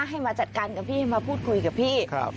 ให้มาจัดการกับพี่มาพูดคุยกับพี่